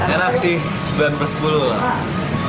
enak sih sembilan per sepuluh lah